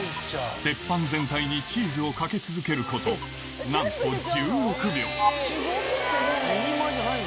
鉄板全体にチーズをかけ続けることなんと１６秒すごくない？